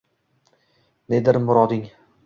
nedir muroding?